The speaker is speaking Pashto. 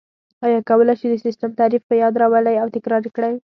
آیا کولای شئ د سیسټم تعریف په یاد راولئ او تکرار یې کړئ؟